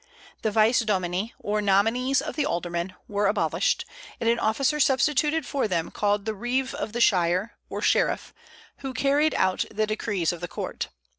The vice domini, or nominees of the alderman, were abolished, and an officer substituted for them called the reeve of the shire, or sheriff, who carried out the decrees of the courts.